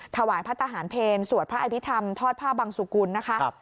ถวายพระทหารเพลสวดพระอภิษฐรรมทอดผ้าบังสุกุลนะคะ